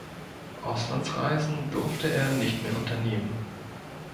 Auslandsreisen durfte er nicht mehr unternehmen.